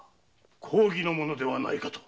公儀の者ではないかと。